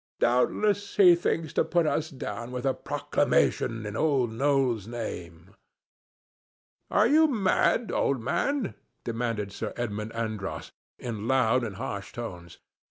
Doubtless he thinks to put us down with a proclamation in Old Noll's name." "Are you mad, old man?" demanded Sir Edmund Andros, in loud and harsh tones.